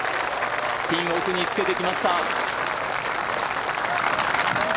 ピン奥につけてきました。